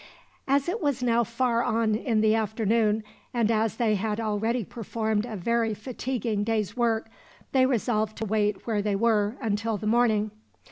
As it was now far on in the afternoon, and as they had already performed a very fatiguing day's work, they resolved to wait where they were until the morning.